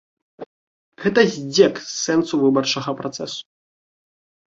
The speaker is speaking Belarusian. Гэта здзек з сэнсу выбарчага працэсу.